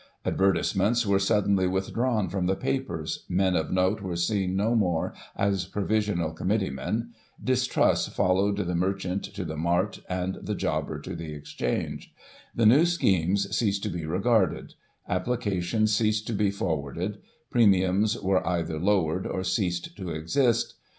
Advertisements were suddenly withdrawn from the papers, men of note were seen no more as provisional committeemen ; distrust followed the merchant to the mart and the jobber to the Exchange The new schemes ceased to be regarded ; applications ceased to be forwarded ; premiums were either lowered, or ceased to exist.